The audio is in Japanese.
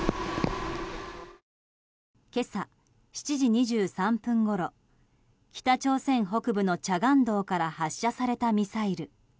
今朝７時２３分ごろ北朝鮮北部のチャガン道から発射されたミサイル。